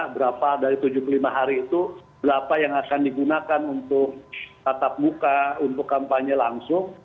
berapa dari tujuh puluh lima hari itu berapa yang akan digunakan untuk tatap muka untuk kampanye langsung